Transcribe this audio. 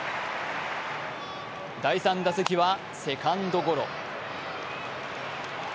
第３打席はセカンドゴロ。